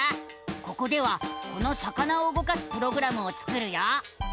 ここではこの魚を動かすプログラムを作るよ！